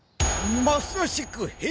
まさしく蛇！